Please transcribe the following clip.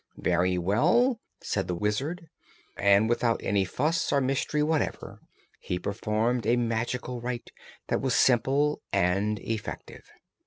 "Very well," said the Wizard, and without any fuss or mystery whatever he performed a magical rite that was simple and effective.